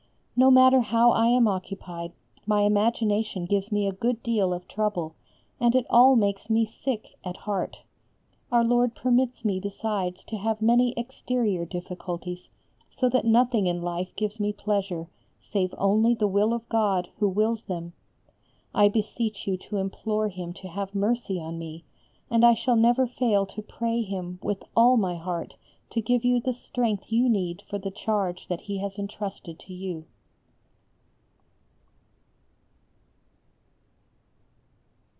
No matter how I am occupied, my imagination gives me a good deal of trouble, and it all makes me sick at heart. Our Lord permits me besides to have many exterior difficulties, so that nothing in life gives me pleasure save only the will of God who wills them. I beseech you to implore Him to have mercy on me, and I shall never fail to pray Him with all my heart to give you the strength you need for the charge that He has entrusted to you.